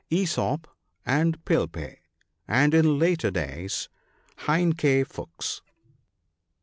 Esop and Pilpay, and in latter days "Reineke Fuchs."